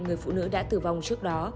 người phụ nữ đã tử vong trước đó